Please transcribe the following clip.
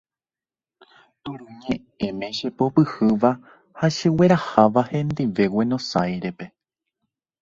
Turuñe'ẽme chepopyhýva ha chegueraháva hendive Guenosáirepe.